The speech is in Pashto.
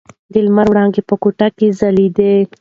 د لمر وړانګې په کوټه کې ځلېدې.